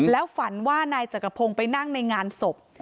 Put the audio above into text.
แล้วฝันว่านายจักรพงศ์ไปนั่งในงานศพ